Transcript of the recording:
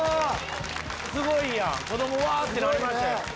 すごいやん子供うわ！ってなりましたよ。